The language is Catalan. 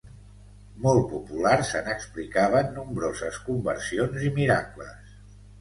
Molt popular, se n'explicaven nombroses conversions i miracles.